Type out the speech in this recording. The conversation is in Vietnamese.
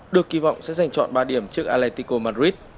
được kỳ vọng sẽ giành chọn ba điểm trước aletico madrid